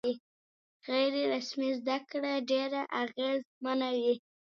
غیر رسمي زده کړه ډېره اغېزمنه وي.